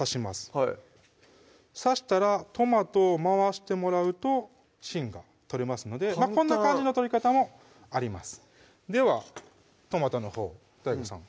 はい刺したらトマトを回してもらうと芯が取れますのでこんな感じの取り方もありますではトマトのほうＤＡＩＧＯさん